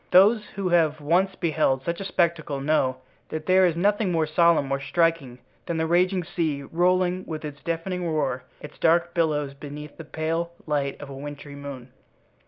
Those who have once beheld such a spectacle know that there is nothing more solemn, more striking, than the raging sea, rolling, with its deafening roar, its dark billows beneath the pale light of a wintry moon.